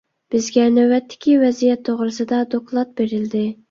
بىزگە نۆۋەتتىكى ۋەزىيەت توغرىسىدا دوكلات بېرىلدى.